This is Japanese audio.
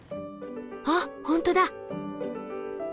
あっ本当だ！